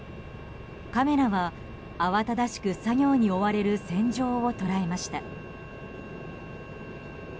カメラは慌ただしく作業に追われる船上を捉えました。